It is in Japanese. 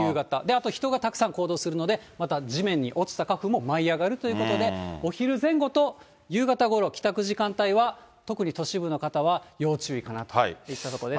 あと人がたくさん行動するので、また地面に落ちた花粉も舞い上がるということで、お昼前後と夕方ごろ、帰宅時間帯は、特に都市部の方は、要注意かなといったところです。